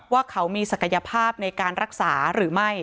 ว่าเขามีศักยภาพในการรักษาหรือไม่